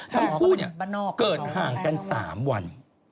ทั้งคู่เกิดห่างกัน๓วัน